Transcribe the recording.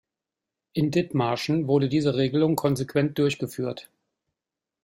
In Dithmarschen wurde diese Regelung konsequent durchgeführt.